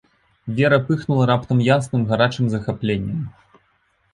Вера пыхнула раптам ясным гарачым захапленнем.